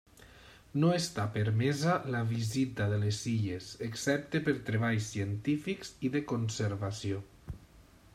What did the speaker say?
No està permesa la visita de les illes, excepte per treballs científics i de conservació.